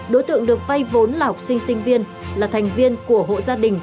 đối tượng được vay vốn là học sinh sinh viên là thành viên của hộ gia đình